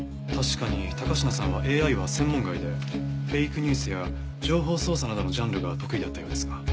確かに高階さんはＡＩは専門外でフェイクニュースや情報操作などのジャンルが得意だったようですが。